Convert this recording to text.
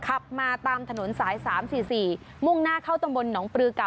ขับมาตามถนนสาย๓๔๔มุ่งหน้าเข้าตำบลหนองปลือเก่า